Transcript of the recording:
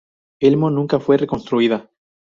Elmo nunca fue reconstruida.